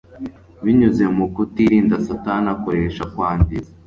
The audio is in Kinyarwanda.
Binyuze mu kutirinda, Satani akoresha kwangiza